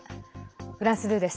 フランス２です。